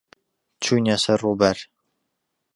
چووینە سەر ڕووبار.